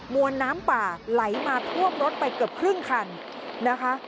วนน้ำป่าไหลมาท่วมรถไปเกือบครึ่งคันนะคะ